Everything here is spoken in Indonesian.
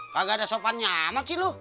kagak ada sopan nyamet sih lu